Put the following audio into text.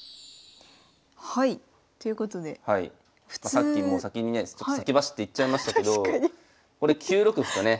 さっきもう先にね先走って言っちゃいましたけどこれ９六歩とね。